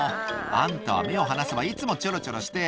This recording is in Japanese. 「あんたは目を離せばいつもチョロチョロして」